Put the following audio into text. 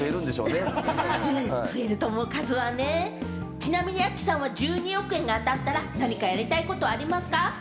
ちなみに亜希さんは１２億円が当たったら何かやりたいことはありますか？